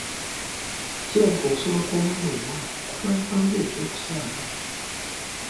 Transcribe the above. Kirabika okusoma kw'omwana omuwala kutwalibwa nga eky'okusaaga.